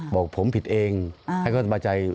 บอกผมผิดเองให้เขาสบายใจ